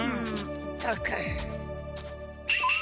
ったく。